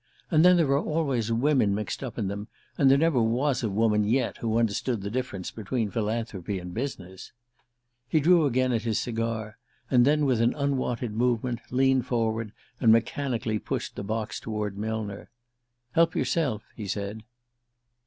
And then there are always women mixed up in them, and there never was a woman yet who understood the difference between philanthropy and business." He drew again at his cigar, and then, with an unwonted movement, leaned forward and mechanically pushed the box toward Millner. "Help yourself," he said.